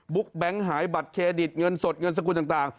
แบงค์หายบัตรเครดิตเงินสดเงินสกุลต่าง